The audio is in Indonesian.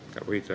kartu hidrat ya